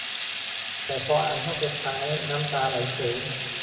แต่พออ่านท่อนสุดท้าย น้ำตาไหลเฉย